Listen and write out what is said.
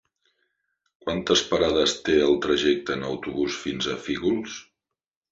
Quantes parades té el trajecte en autobús fins a Fígols?